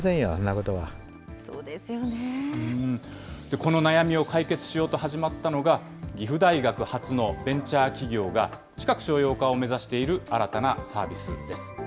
この悩みを解決しようと始まったのが、岐阜大学発のベンチャー企業が、近く商用化を目指している新たなサービスです。